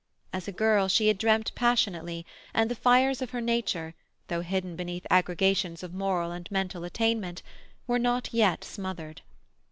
As a girl she had dreamt passionately, and the fires of her nature, though hidden beneath aggregations of moral and mental attainment, were not yet smothered.